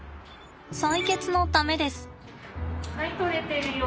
採血のためです。